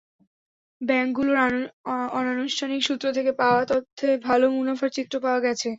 ব্যাংকগুলোর অনানুষ্ঠানিক সূত্র থেকে পাওয়া তথ্যে ভালো মুনাফার চিত্র পাওয়া গেছে।